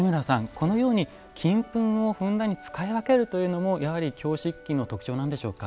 このように金粉をふんだんに使い分けるというのもやはり京漆器の特徴なんでしょうか？